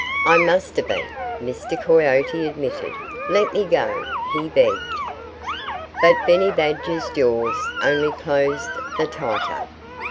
"I must have been," Mr. Coyote admitted. ... "Let me go!" he begged. But Benny Badger's jaws only closed the tighter.